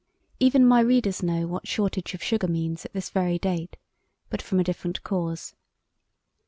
Even my readers know what shortage of sugar means at this very date, but from a different cause.